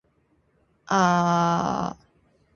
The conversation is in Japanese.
I like manga.